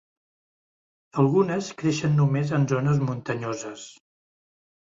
Algunes creixen només en zones muntanyoses.